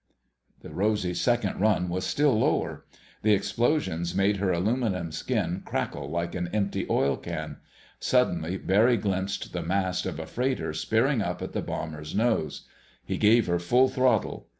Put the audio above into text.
The Rosy's second run was still lower. The explosions made her aluminum skin crackle like an empty oil can. Suddenly Barry glimpsed the mast of a freighter spearing up at the bomber's nose. He gave her full throttle.